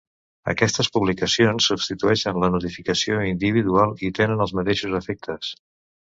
Aquestes publicacions substitueixen la notificació individual i tenen els mateixos efectes.